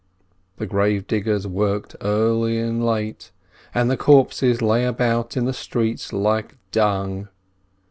The grave diggers worked early and late, and the corpses lay about in the streets like dung.